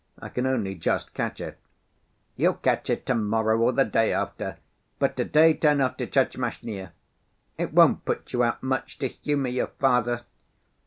I can only just catch it." "You'll catch it to‐morrow or the day after, but to‐day turn off to Tchermashnya. It won't put you out much to humor your father!